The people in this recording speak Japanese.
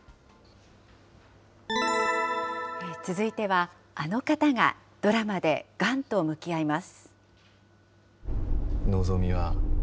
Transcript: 続いては、あの方がドラマでがんと向き合います。